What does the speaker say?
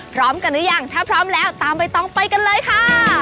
พร้อมกันหรือยังถ้าพร้อมแล้วตามใบตองไปกันเลยค่ะ